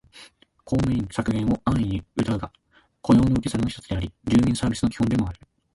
公務員削減を安易にうたうが、雇用の受け皿の一つであり、住民サービスの基本でもある